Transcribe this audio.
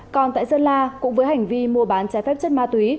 còn tại sơn la cũng với hành vi mua bán trái phép chất ma túy